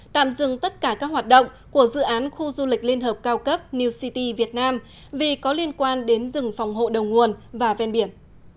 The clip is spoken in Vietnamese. tạm dừng tất cả các hoạt động của dự án khu du lịch liên hợp cao cấp new city việt nam vì có liên quan đến rừng phòng hộ đầu nguồn và ven biển